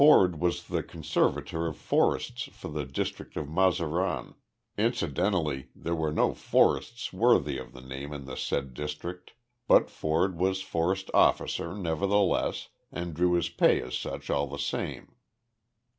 Ford was the Conservator of Forests for the district of Mazaran incidentally there were no "forests" worthy of the name in the said district, but Ford was Forest Officer nevertheless, and drew his pay as such all the same.